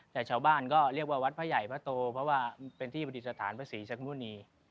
แต่ชาวบ้านก็เรียกว่าวัดพระใหญ่พระโตเพราะว่าเป็นที่ประดิษฐานพระศรีชะมุณี